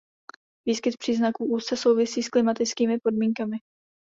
Výskyt příznaků úzce souvisí s klimatickými podmínkami.